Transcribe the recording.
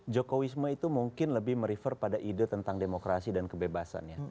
joko wisma itu mungkin lebih merefer pada ide tentang demokrasi dan kebebasan ya